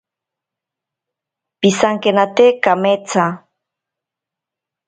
Pisankenate kametsa.